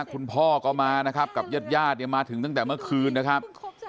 คุณพ่อก็มานะครับกับญาติญาติเนี่ยมาถึงตั้งแต่เมื่อคืนนะครับ